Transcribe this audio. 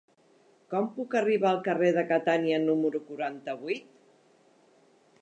Com puc arribar al carrer de Catània número quaranta-vuit?